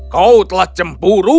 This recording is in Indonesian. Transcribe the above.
kau telah cemburu